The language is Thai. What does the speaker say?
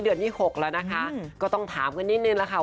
เดือนที่๖แล้วนะคะก็ต้องถามกันนิดนึงละค่ะ